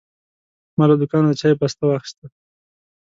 ما له دوکانه د چای بسته واخیسته.